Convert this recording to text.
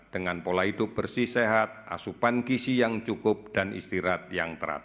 dengan pola hidup bersih sehat asupan gisi yang cukup dan istirahat yang terat